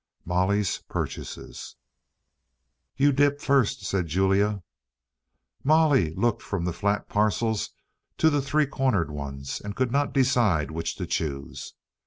Molly's Purchases "You dip first," said Julia. Molly looked from the flat parcels to the three cornered ones and could not decide which to choose.